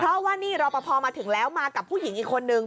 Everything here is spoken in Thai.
เพราะว่านี่รอปภมาถึงแล้วมากับผู้หญิงอีกคนนึง